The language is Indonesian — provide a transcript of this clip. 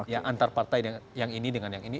ya antar partai yang ini dengan yang ini